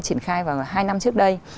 triển khai vào hai năm trước đây